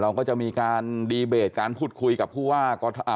เราก็จะมีการดีเบจการผุดคุยกับผู้ว่า